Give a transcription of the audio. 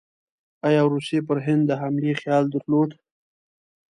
ایا روسیې پر هند د حملې خیال درلود؟